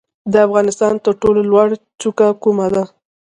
د افغانستان تر ټولو لوړه څوکه کومه ده؟